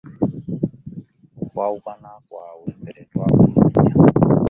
Okwawukana kwabwe ffe tetwakumanya.